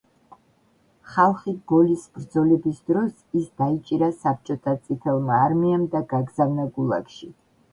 ხალხინ-გოლის ბრძოლების დროს, ის დაიჭირა საბჭოთა წითელმა არმიამ და გაგზავნა გულაგში.